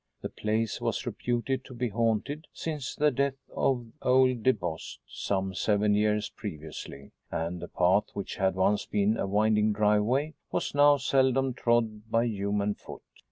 The place was reputed to be haunted since the death of old DeBost, some seven years previously, and the path which had once been a winding driveway was now seldom trod by human foot.